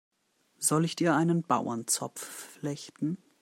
Soll ich dir einen Bauernzopf flechten?